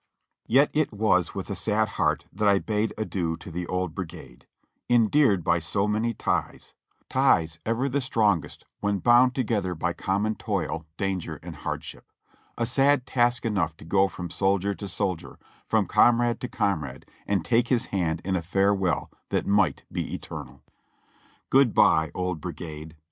Yet it was with a sad heart that I bade adieu to the old brigade, endeared by so many ties, ties ever of the strongest when bound IN THE CAVALRY 379 together by common toil, danger and hardship ; a sad task enough to go from soldier to soldier, from comrade to comrade and take his hand in a farewell that might be eternal. Good by, old brigade!